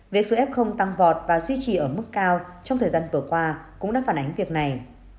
về số f tăng vọt và duy trì ở mức cao trong thời gian vừa qua cũng đã phản ánh việc này